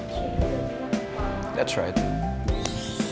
pak kita langsung naik ke dalam ya